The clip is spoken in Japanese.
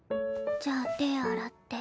じゃあ手洗って。